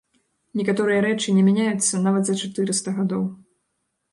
Некаторыя рэчы не мяняюцца нават за чатырыста гадоў.